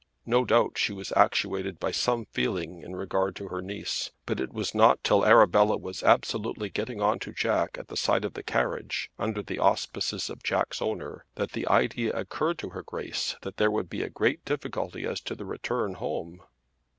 No doubt she was actuated by some feeling in regard to her niece; but it was not till Arabella was absolutely getting on to Jack at the side of the carriage, under the auspices of Jack's owner, that the idea occurred to her Grace that there would be a great difficulty as to the return home.